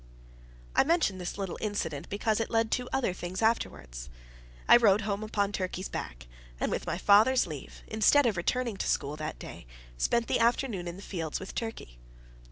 I mention this little incident because it led to other things afterwards. I rode home upon Turkey's back; and with my father's leave, instead of returning to school that day, spent the afternoon in the fields with Turkey.